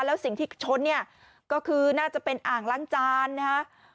แล้วสิ่งที่ชนเนี่ยก็คือน่าจะเป็นอ่างล้างจานนะฮะ